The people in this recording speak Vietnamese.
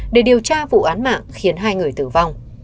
để điều tra vụ án mạng khiến hai người tử vong